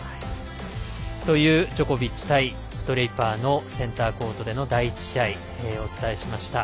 というジョコビッチ対ドレイパーのセンターコートでの第１試合をお伝えしました。